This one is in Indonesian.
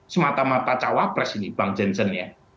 semata mata cawapres ini bang jansen ya